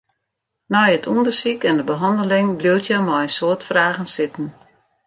Nei it ûndersyk en de behanneling bliuwt hja mei in soad fragen sitten.